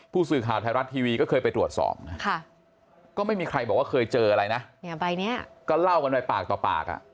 ผู้สื่อข่าวไทยรัฐทีวีก็เคยไปตรวจสอบนะก็ไม่มีใครบอกว่าเคยเจออะไรนะเนี่ยใบเนี้ยก็เล่ากันไปปากต่อปากอ่ะ